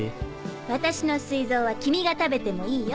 私の膵臓は君が食べてもいいよ。